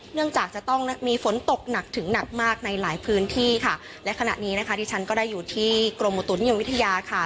จะต้องมีฝนตกหนักถึงหนักมากในหลายพื้นที่ค่ะและขณะนี้นะคะที่ฉันก็ได้อยู่ที่กรมอุตุนิยมวิทยาค่ะ